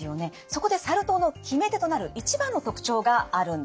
そこでサル痘の決め手となる一番の特徴があるんです。